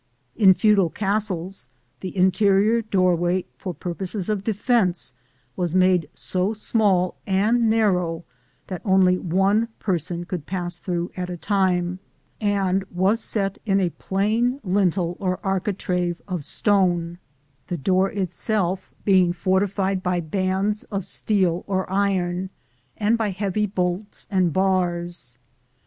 In feudal castles the interior doorway, for purposes of defense, was made so small and narrow that only one person could pass through at a time, and was set in a plain lintel or architrave of stone, the door itself being fortified by bands of steel or iron, and by heavy bolts and bars.